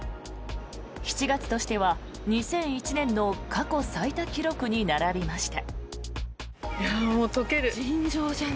７月としては２００１年の過去最多記録に並びました。